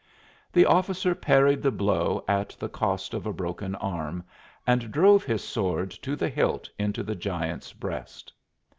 The officer parried the blow at the cost of a broken arm and drove his sword to the hilt into the giant's breast.